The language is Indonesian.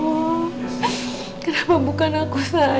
ya allah kenapa bukan aku sendiri